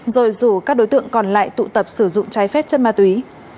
rồi rủ các đối tượng còn lại tụ tập sử dụng trái phép chất ma túy